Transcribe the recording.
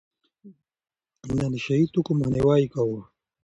د نشه يي توکو مخنيوی يې کاوه.